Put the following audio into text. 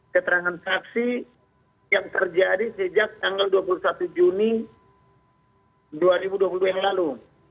keterangan saksi yang terjadi sejak tanggal dua puluh satu juni dua ribu dua puluh dua yang lalu